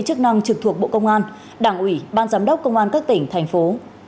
chức năng trực thuộc bộ công an đảng ủy ban giám đốc công an các tỉnh thành phố